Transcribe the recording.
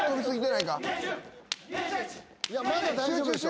いやまだ大丈夫でしょ。